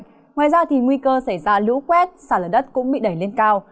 ngoài ra nguy cơ xảy ra lũ quét xả lở đất cũng bị đẩy lên cao